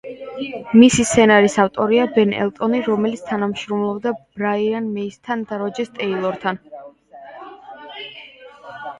მისი სცენარის ავტორია ბენ ელტონი, რომელიც თანამშრომლობდა ბრაიან მეისთან და როჯერ ტეილორთან.